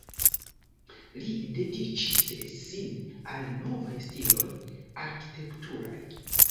Li dediĉis sin al novaj stiloj arkitekturaj.